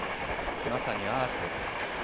まさにアート。